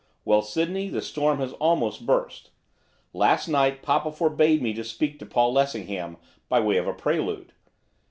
Well, Sydney, the storm has almost burst. Last night papa forbade me to speak to Paul Lessingham by way of a prelude.